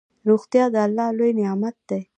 روغتيا دالله لوي نعمت ده